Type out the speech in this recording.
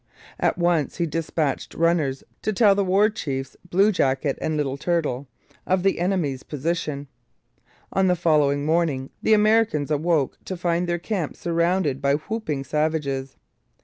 At once he dispatched runners to tell the war chiefs Blue Jacket and Little Turtle of the enemy's position. On the following morning the Americans awoke to find their camp surrounded by whooping savages.